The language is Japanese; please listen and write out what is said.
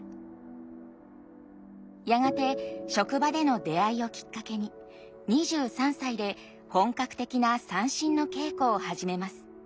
やがて職場での出会いをきっかけに２３歳で本格的な三線の稽古を始めます。